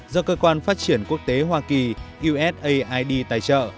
do cơ quan phát triển quốc tế hoa kỳ usaid tài trợ